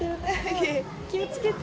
気を付けて。